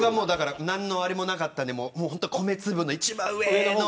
なんのあれもなかったので米粒の一番上の。